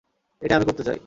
এটাই আমি করতে চাই।